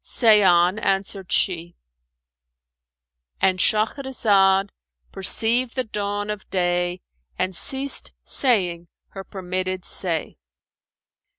"Say on," answered she.—And Shahrazad perceived the dawn of day and ceased saying her permitted say.